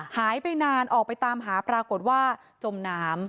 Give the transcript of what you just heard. หายไปนานออกไปตามหาปรากฏว่าจมน้ำ